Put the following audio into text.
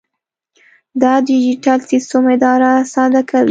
دا ډیجیټل سیسټم اداره ساده کوي.